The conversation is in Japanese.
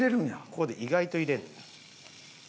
ここで意外と入れんのよ。